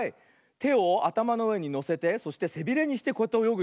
てをあたまのうえにのせてそしてせびれにしてこうやっておよぐよ。